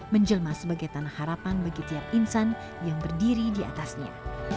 menjelma sebagai tanah harapan bagi tiap insan yang berdiri di atasnya